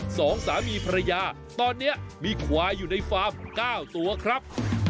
สองสามีภรรยาตอนนี้มีควายอยู่ในฟาร์มเก้าตัวครับ